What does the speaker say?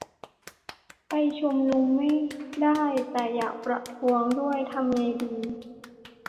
ไปชุมนุมไม่ได้ แต่อยากประท้วงด้วย ทำไงดี ?